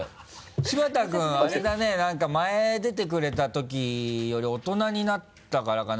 柴田君あれだね何か前出てくれたときより大人になったからかな？